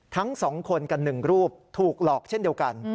ทั้ง๒คนกับ๑รูปถูกหลอกเช่นเดียวกัน